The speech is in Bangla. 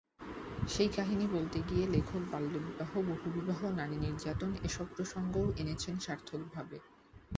সেই কাহিনি বলতে গিয়ে লেখক বাল্যবিবাহ, বহুবিবাহ, নারী নির্যাতন—এসব প্রসঙ্গও এনেছেন সার্থকভাবে।